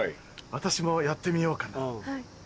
私もやってみようかな。